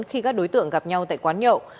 khi các đối tượng gặp nhau tại quán nhậu